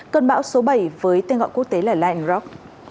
cơn bão số bảy với tên gọi quốc tế là line rock